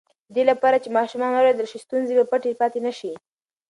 د دې لپاره چې ماشومان واورېدل شي، ستونزې به پټې پاتې نه شي.